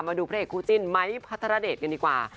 มาดูพระเอกคู่จิ้นไม้พัทรเดชกันดีกว่า